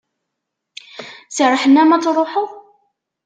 Serrḥen-am ad truḥeḍ?